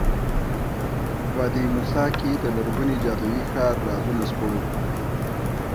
وادي موسی کې د لرغوني جادویي ښار رازونه سپړو.